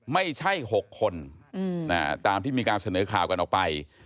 ไม่ใช่๖คนตามที่มีการเสนอข่าวกันออกไป